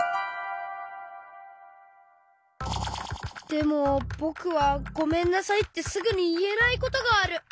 でもぼくは「ごめんなさい」ってすぐにいえないことがある。